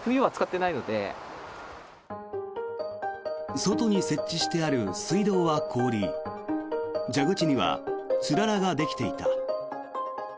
外に設置してある水道は凍り蛇口にはつららができていた。